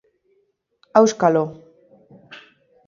Auskalo!